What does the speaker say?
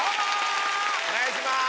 お願いします！